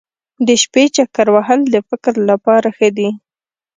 د شپې چکر وهل د فکر لپاره ښه دي.